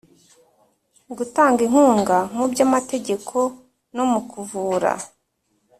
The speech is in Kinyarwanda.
Gutanga inkunga mu by’ amategeko no mu kuvura.